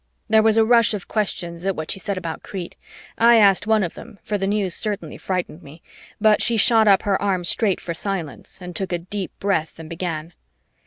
There was a rush of questions at what she said about Crete I asked one of them, for the news certainly frightened me but she shot up her arm straight for silence and took a deep breath and began.